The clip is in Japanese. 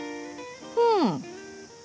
うん！